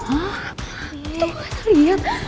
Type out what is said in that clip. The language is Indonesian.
itu gue gak salah liat